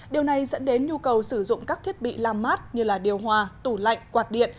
điều này dẫn đến nhu cầu sử dụng các thiết bị làm mát như điều hòa tủ lạnh quạt điện